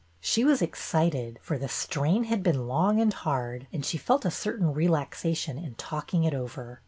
She was ex cited, for the strain had been long and hard, and she felt a certain relaxation in talking it over.